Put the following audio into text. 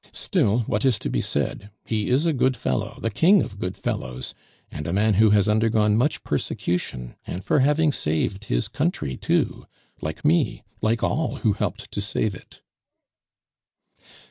Still, what is to be said? He is a good fellow, the king of good fellows, and a man who has undergone much persecution, and for having saving his country too! like me, like all who helped to save it."